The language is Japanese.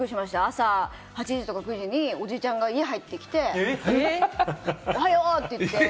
朝８時くらいに、おじいちゃんが入ってきて、おはよう！って。